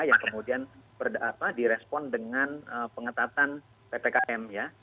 yang kemudian direspon dengan pengetatan ppkm ya